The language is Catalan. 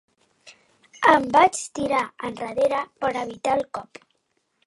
Em vaig tirar endarrere per evitar el cop.